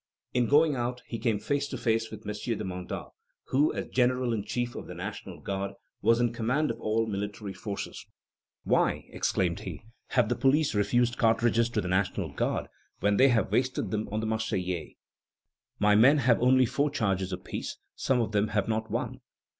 In going out, he came face to face with M. de Mandat, who, as general in chief of the National Guard, was in command of all military forces. "Why," exclaimed he, "have the police refused cartridges to the National Guard when they have wasted them on the Marseillais? My men have only four charges apiece; some of them have not one.